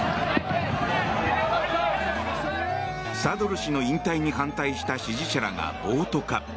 サドル師の引退に反対した支持者らが暴徒化。